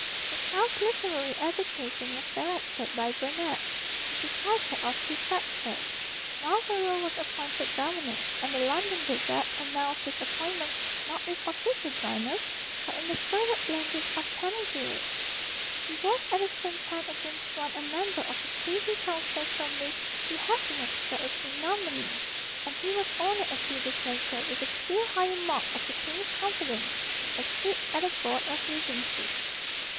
The child's literary education was directed by Burnet, with the title of Preceptor. Marlborough was appointed Governor; and the London Gazette announced his appointment, not with official dryness, but in the fervid language of panegyric. He was at the same time again sworn a member of the Privy Council from which he had been expelled with ignominy; and he was honoured a few days later with a still higher mark of the King's confidence, a seat at the board of Regency.